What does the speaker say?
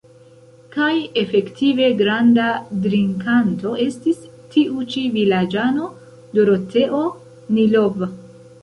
Kaj efektive, granda drinkanto estis tiu ĉi vilaĝano, Doroteo Nilov.